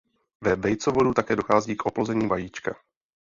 Ve vejcovodu také dochází k oplození vajíčka.